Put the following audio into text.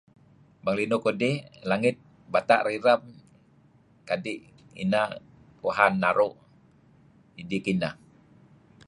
Bang linuh kudih langit bata' rireb kadi' inah Tuhan naru' idih kineh.